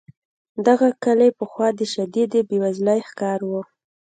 دغه کلی پخوا د شدیدې بې وزلۍ ښکار و.